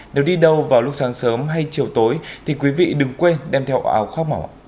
nếu đi đâu vào lúc sáng sớm hay chiều tối thì quý vị đừng quên đem theo áo khoác mỏng ạ